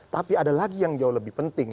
tapi ada lagi yang jauh lebih penting